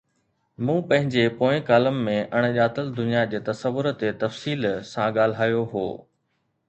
مون پنهنجي پوئين ڪالم ۾ اڻڄاتل دنيا جي تصور تي تفصيل سان ڳالهايو هو.